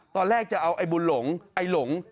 ตอนแรกจะเอาไอ้บุญหลงไอ้หลง